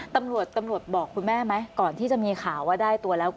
ตำรวจตำรวจบอกคุณแม่ไหมก่อนที่จะมีข่าวว่าได้ตัวแล้ว